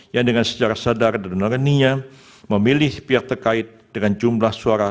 yang dengan secara sadar dan lerninya memilih pihak terkait dengan jumlah suara